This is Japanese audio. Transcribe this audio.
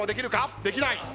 できない。